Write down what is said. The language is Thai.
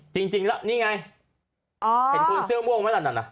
จริงจริงแล้วนี่ไงอ๋อเห็นคนเสื้อม่วงไว้ดังนั้นอ่ะ